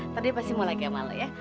ntar dia pasti mau lagi sama lu ya